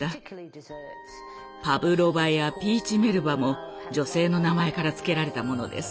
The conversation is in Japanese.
パブロバやピーチメルバも女性の名前から付けられたものです。